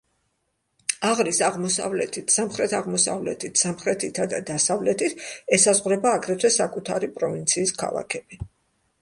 აღრის აღმოსავლეთით, სამხრეთ-აღმოსავლეთით, სამხრეთითა და დასავლეთით ესაზღვრება, აგრეთვე, საკუთარი პროვინციის ქალაქები.